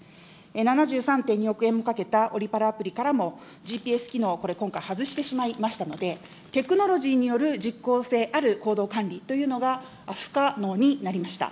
７３．２億円もかけたオリパラアプリからも、ＧＰＳ機能、これ、今回、外してしまいましたので、テクノロジーによる実効性ある行動管理というのが不可能になりました。